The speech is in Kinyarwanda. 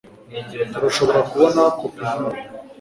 Turashobora kubona kopi yibi